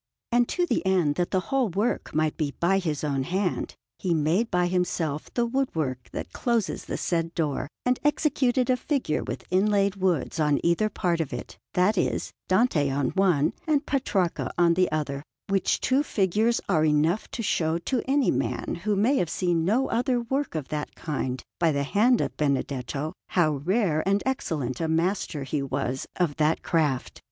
And to the end that the whole work might be by his own hand, he made by himself the wood work that closes the said door, and executed a figure with inlaid woods on either part of it, that is, Dante on one and Petrarca on the other; which two figures are enough to show to any man who may have seen no other work of that kind by the hand of Benedetto, how rare and excellent a master he was of that craft.